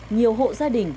nhiều hộ gia đình